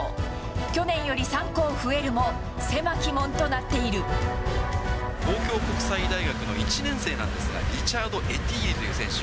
去年より３校増えるも、東京国際大学の１年生なんですが、リチャード・エティーリ選手。